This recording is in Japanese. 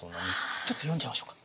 ちょっと読んじゃいましょうか。